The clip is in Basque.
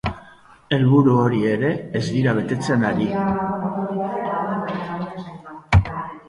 Helburu hori ere ez dira betetzen ari.